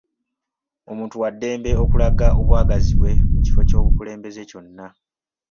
Omuntu wa ddemba okulaga obwagazi bwe mu kifo aky'obukulembeze kyonna.